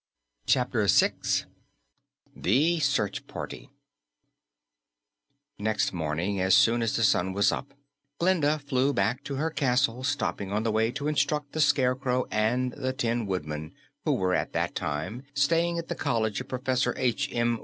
CHAPTER 6 THE SEARCH PARTY Next morning as soon as the sun was up, Glinda flew back to her castle, stopping on the way to instruct the Scarecrow and the Tin Woodman, who were at that time staying at the college of Professor H. M.